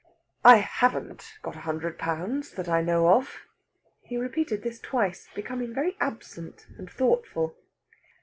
I haven't got a hundred pounds, that I know of." He repeated this twice, becoming very absent and thoughtful.